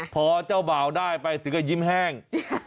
พอเจ้าบ่าวได้ไปถึงก็ยิ้มแห้ง